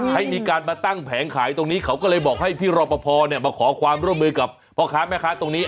ให้มีการมาตั้งแผงขายตรงนี้เขาก็เลยบอกให้พี่รอปภมาขอความร่วมมือกับพ่อค้าแม่ค้าตรงนี้